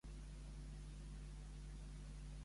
Quin enigma va plantejar-li el monstre?